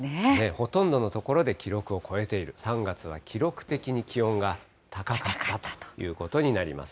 ほとんどの所で記録を超えている、３月は記録的に気温が高かったということになります。